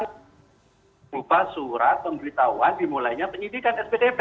berupa surat pemberitahuan dimulainya penyidikan spdp